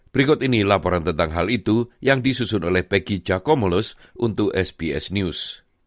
berikut ini laporan tentang hal itu yang disusun oleh peggy jakomolos untuk sbs news